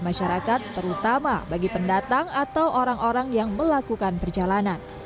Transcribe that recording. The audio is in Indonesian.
masyarakat terutama bagi pendatang atau orang orang yang melakukan perjalanan